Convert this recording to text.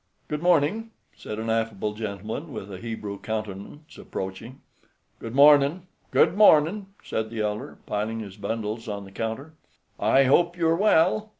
"Good morning," said an affable gentleman with a Hebrew countenance, approaching. "Good mornin', good mornin'," said the elder, piling his bundles on the counter. "I hope you are well?"